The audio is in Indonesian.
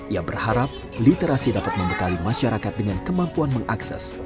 ia berharap literasi dapat membekali masyarakat dengan kemampuan mengakses